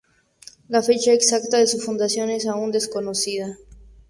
La fecha exacta de su fundación es aún desconocida.